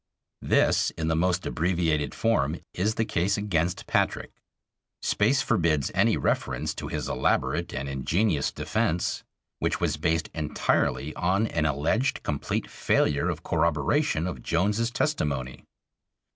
This, in the most abbreviated form, is the case against Patrick. Space forbids any reference to his elaborate and ingenious defense, which was based entirely on an alleged complete failure of corroboration of Jones's testimony.